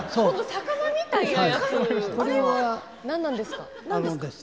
魚みたいなやつは何なんですか？